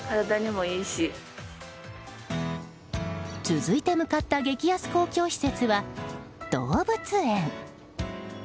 続いて向かった激安公共施設は動物園。